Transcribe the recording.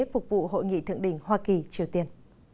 phục vụ hội nghị thượng đỉnh hoa kỳ triều tiên